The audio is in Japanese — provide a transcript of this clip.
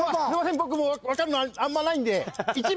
僕もう分かんのあんまないんで１番。